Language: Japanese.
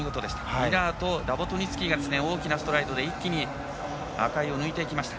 ミラーとラボトニツキーが大きなストライドで一気に赤井を抜いていきました。